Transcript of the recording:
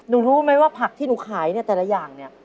รู้ไหมว่าผักที่หนูขายเนี่ยแต่ละอย่างเนี่ย